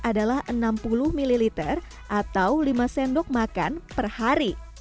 adalah enam puluh ml atau lima sendok makan per hari